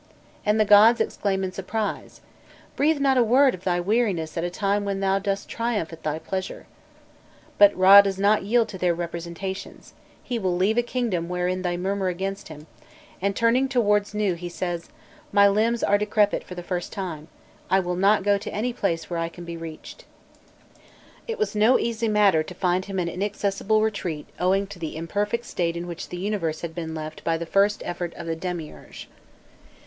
And the gods exclaim in surprise: "Breathe not a word of thy weariness at a time when thou dost triumph at thy pleasure." But Râ does not yield to their representations; he will leave a kingdom wherein they murmur against him, and turning towards Nû he says: "My limbs are decrepit for the first time; I will not go to any place where I can be reached." It was no easy matter to find him an inaccessible retreat owing to the imperfect state in which the universe had been left by the first effort of the demiurge.